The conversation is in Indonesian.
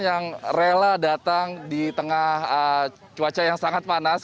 yang rela datang di tengah cuaca yang sangat panas